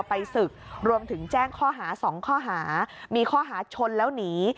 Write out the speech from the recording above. ไปศึกรวมถึงแจ้งข้อหา๒ข้อหามีข้อหาชนแล้วหนี